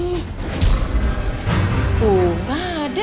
tuh gak ada